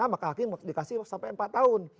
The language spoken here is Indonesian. maka hakim dikasih sampai empat tahun